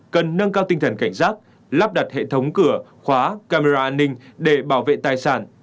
cần nâng cao tinh thần cảnh giác lắp đặt hệ thống cửa khóa camera an ninh để bảo vệ tài sản